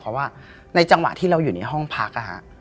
เพราะว่าในจังหวะที่เราอยู่ในห้องพักนะฮะ